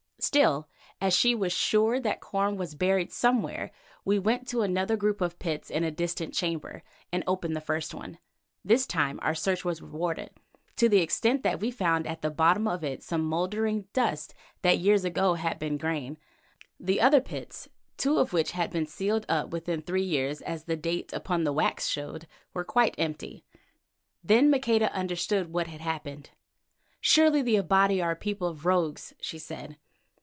Still, as she was sure that corn was buried somewhere, we went to another group of pits in a distant chamber, and opened the first one. This time our search was rewarded, to the extent that we found at the bottom of it some mouldering dust that years ago had been grain. The other pits, two of which had been sealed up within three years as the date upon the wax showed, were quite empty. Then Maqueda understood what had happened. "Surely the Abati are a people of rogues," she said.